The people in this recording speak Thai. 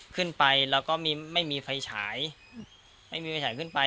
ขึ้นไปแล้วก็มีไม่มีไฟฉายไม่มีไฟฉายขึ้นไป